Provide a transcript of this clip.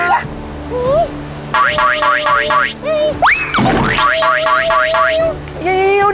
cepetan yuk yuk yuk